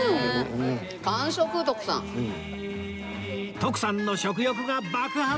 徳さんの食欲が爆発！